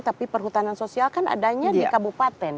tapi perhutanan sosial kan adanya di kabupaten